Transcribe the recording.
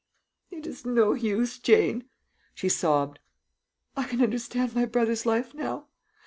"It is no use, Jane," she sobbed. "I can understand my brother's life now.